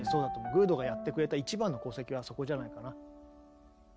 グールドがやってくれた一番の功績はそこじゃないかな。